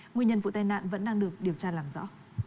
nguyên nhân vụ tai nạn vẫn đang được điều tra làm rõ